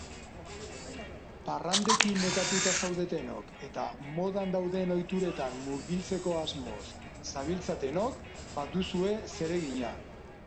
Parrandekin nekatuta zaudetenok eta modan dauden ohituretan murgiltzeko asmoz zabiltzatenok baduzue zeregina.